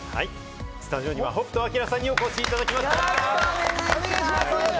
スタジオには北斗晶さんにお越しいただきました。